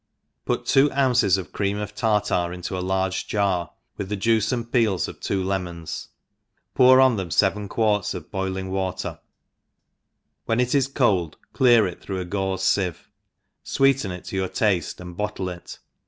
PUT two ounces of cream of tartar into a large jar, with the juice and peels of two lemons, pour on them feven quarts of boiling water, when it is cold, clear it through a gauze fieve, fweeten it to your tafte, and bottle it.